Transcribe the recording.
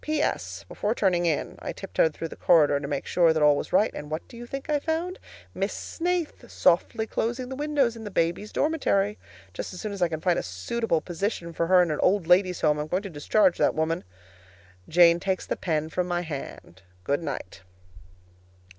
P.S. Before turning in, I tiptoed through the corridor to make sure that all was right, and what do you think I found? Miss Snaith softly closing the windows in the babies' dormitory! Just as soon as I can find a suitable position for her in an old ladies' home, I am going to discharge that woman. Jane takes the pen from my hand. Good night.